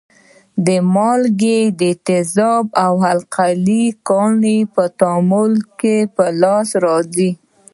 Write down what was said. مالګې د تیزابو او القلي ګانو په تعامل په لاس راځي.